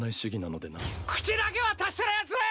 口だけは達者なやつめ！